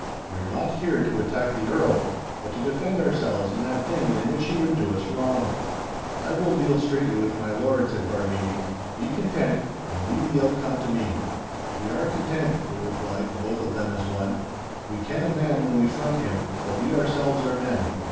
We are not here to attack the Earl, but to defend ourselves in that thing in which he would do us wrong.' 'I will deal straightly with my lord,' said Bargany; 'be content, and leave the outcome to me.' 'We are content,' they replied, both of them as one. 'We ken a man when we front him, for we ourselves are men.